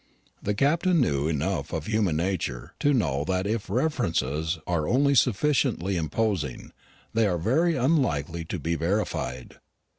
The Captain knew enough of human nature to know that if references are only sufficiently imposing, they are very unlikely to be verified.